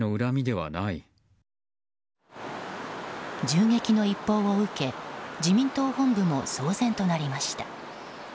銃撃の一報を受け自民党本部も騒然となりました。